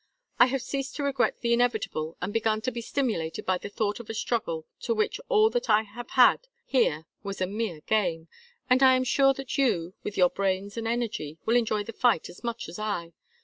I have ceased to regret the inevitable and begun to be stimulated by the thought of a struggle to which all that I have had here was a mere game, and I am sure that you, with your brains and energy, will enjoy the fight as much as I.